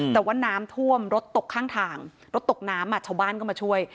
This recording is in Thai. แต่ว่าน้ำท่วมรถตกข้างทางรถตกน้ำชาวบ้านก็มาช่วย